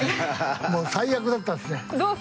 どう最悪だったんですか？